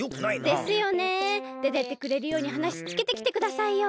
でてってくれるようにはなしつけてきてくださいよ。